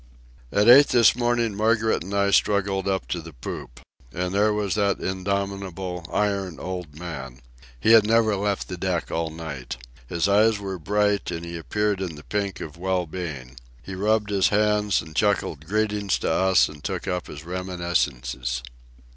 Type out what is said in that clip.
At eight this morning Margaret and I struggled up to the poop. And there was that indomitable, iron old man. He had never left the deck all night. His eyes were bright, and he appeared in the pink of well being. He rubbed his hands and chuckled greeting to us, and took up his reminiscences.